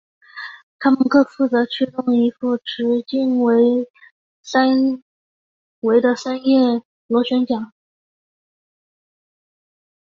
它们各负责驱动一副直径为的三叶螺旋桨。